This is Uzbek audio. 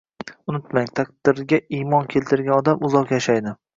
Unutmang: taqdirga imon keltirgan odam uzoq yashaydi.